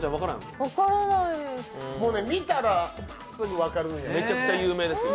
もうね、見たらすぐ分かるんやけど。